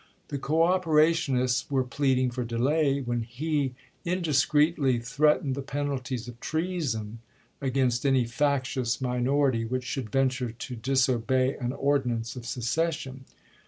The "cooperationists" were pleading for delay, when he indiscreetly threatened the penalties of treason against any factious minority which should venture to disobey an ordinance of secession.